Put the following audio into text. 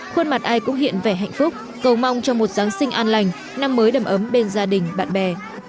khuôn mặt ai cũng hiện vẻ hạnh phúc cầu mong cho một giáng sinh an lành năm mới đầm ấm bên gia đình bạn bè